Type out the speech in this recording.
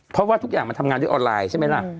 เพราะว่าทุกอย่างมันทำงานด้วยออนไลน์ใช่ไหมล่ะ